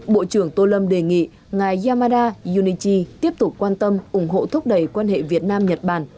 bộ trưởng tô lâm đề nghị ngài yamada junichi tiếp tục quan tâm ủng hộ thúc đẩy quan hệ việt nam nhật bản